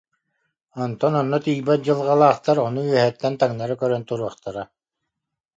Онтон онно тиийбэт дьылҕалаахтар ону үөһэттэн таҥнары көрөн туруохтара»